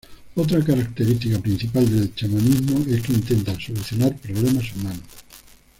Otra característica principal del chamanismo es que intenta solucionar problemas humanos.